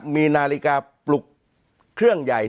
มีนาฬิกาปลุกเครื่องใหญ่